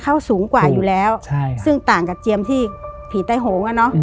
เขาสูงกว่าอยู่แล้วซึ่งต่างกับเจียมที่ผีใต้โหง